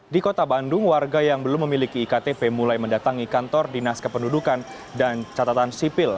di kota bandung warga yang belum memiliki iktp mulai mendatangi kantor dinas kependudukan dan catatan sipil